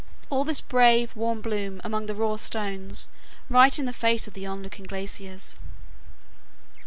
All this brave warm bloom among the raw stones, right in the face of the onlooking glaciers.